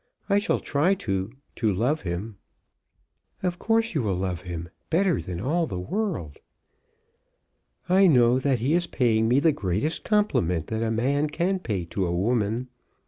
I shall try to to love him." "Of course you will love him, better than all the world." "I know that he is paying me the greatest compliment that a man can pay to a woman.